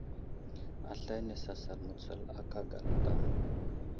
Aslane sasal mətsul aka gala daw.